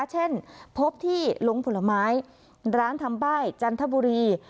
เช่นพบที่ลงผลไม้ร้านทำใบ้จันทบุรี